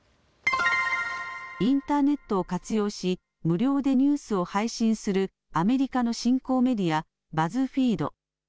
インターネットを活用し無料でニュースを配信するアメリカの新興メディア、バズフィード。